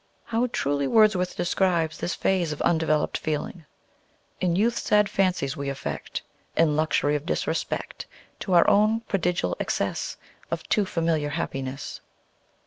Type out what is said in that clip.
How truly Wordsworth describes this phase of undeveloped feeling: "In youth sad fancies we affect, In luxury of disrespect To our own prodigal excess Of too familiar happiness."